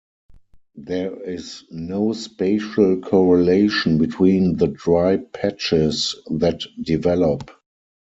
There is no spatial correlation between the dry patches that develop.